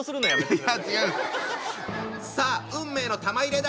さあ運命の玉入れだ！